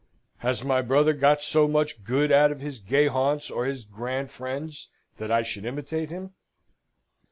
"Has my brother got so much good out of his gay haunts or his grand friends, that I should imitate him?"